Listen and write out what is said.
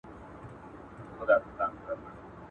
پوهانو ويلي دي چي دغه دوره د توري پېړۍ په نوم هم ياديږي.